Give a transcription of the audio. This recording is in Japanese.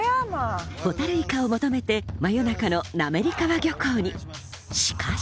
ホタルイカを求めて真夜中の滑川漁港にしかし